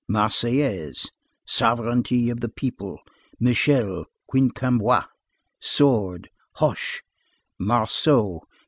Marseillaise. Sovereignty of the people. Michel. Quincampoix. Sword. Hoche. Marceau.